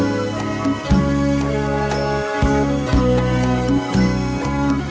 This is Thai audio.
ได้เลยน้ำหน้าไว้อาจจะคุยกับเธอ